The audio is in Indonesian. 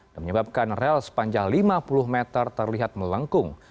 dan menyebabkan rel sepanjang lima puluh meter terlihat melengkung